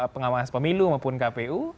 pengawas pemilu maupun kpu